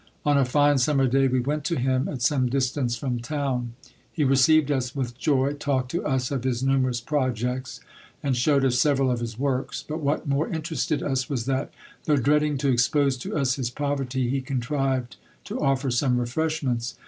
"On a fine summer day we went to him, at some distance from town. He received us with joy, talked to us of his numerous projects, and showed us several of his works. But what more interested us was, that, though dreading to expose to us his poverty, he contrived to offer some refreshments.